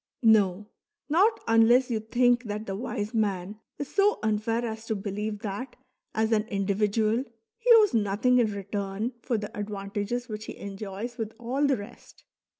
No, not unless you think that the wise man is so unfair as to believe that as an individual he owes nothing in return for the advantages which he enjoys with all the rest.